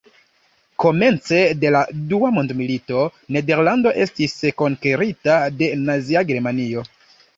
Komence de la dua mondmilito, Nederlando estis konkerita de Nazia Germanio.